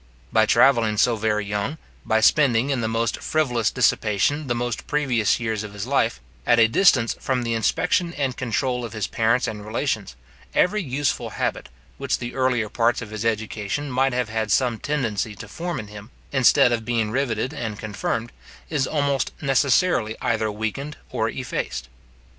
By travelling so very young, by spending in the most frivolous dissipation the most precious years of his life, at a distance from the inspection and control of his parents and relations, every useful habit, which the earlier parts of his education might have had some tendency to form in him, instead of being riveted and confirmed, is almost necessarily either weakened or effaced.